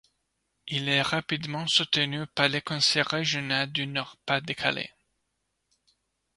Il est rapidement soutenu par le conseil régional du Nord-Pas-de-Calais.